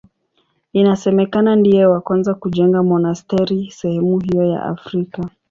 Inasemekana ndiye wa kwanza kujenga monasteri sehemu hiyo ya Afrika.